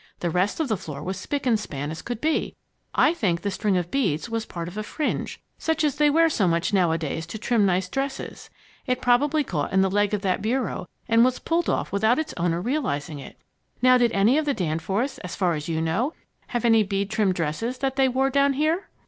The rest of the floor was spick and span as could be. I think the string of beads was part of a fringe, such as they wear so much nowadays to trim nice dresses. It probably caught in the leg of that bureau and was pulled off without its owner realizing it. Now did any of the Danforths, as far as you know, have any bead trimmed dresses that they wore down here?"